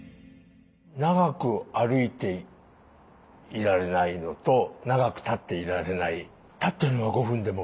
長く歩いていられないのと長く立っていられない。